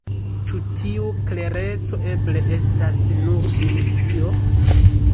Ĉu tiu klereco eble estas nur iluzio?